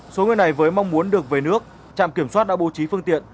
số người này với mong muốn được về nước trạm kiểm soát đã bố trí phương tiện